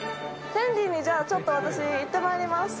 フェンディにちょっと私行ってまいります。